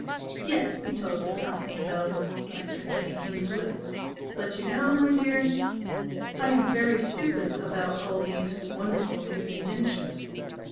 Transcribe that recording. "Yes, you told me something about it" answered Lady Kingswood "But you know, my dear, I am very stupid about all these wonderful new inventions.